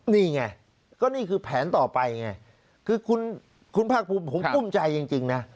นี่ไงก็นี่คือแผนต่อไปไงคือคุณภาคภูมิผมกุ้มใจจริงนะ